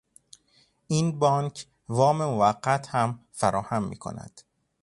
این بانک وام موقت هم فراهم میکند.